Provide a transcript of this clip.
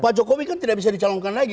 pak jokowi kan tidak bisa dicalonkan lagi